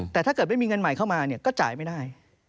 แต่ถ้าเกิดไม่มีเงินใหม่เข้ามาก็จ่ายไม่ได้